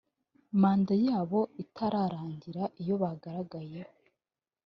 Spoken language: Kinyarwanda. manda yabo itararangira iyo bagaragayeho